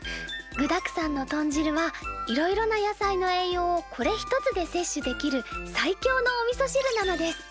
具だくさんの豚汁はいろいろな野菜の栄養をこれ一つで摂取できる最強のおみそ汁なのです！